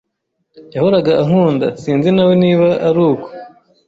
"Yahoraga ankunda."sinzi nawe niba aruko